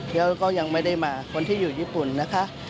แล้วก็ยังไม่ได้มาคนที่อยู่ญี่ปุ่นนะคะ